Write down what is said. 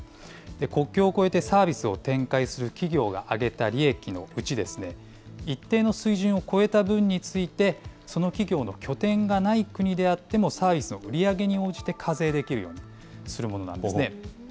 国境を越えてサービスを展開する企業が上げた利益のうち、一定の水準を超えた分について、その企業の拠点がない国であってもサービスの売り上げに応じて課税できるようにするものなんですね。